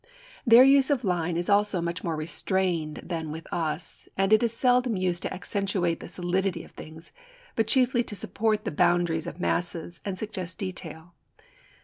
Their use of line is also much more restrained than with us, and it is seldom used to accentuate the solidity of things, but chiefly to support the boundaries of masses and suggest detail.